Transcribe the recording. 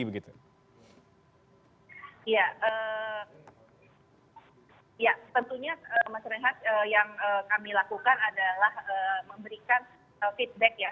ya tentunya mas renhat yang kami lakukan adalah memberikan feedback ya